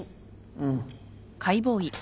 うん。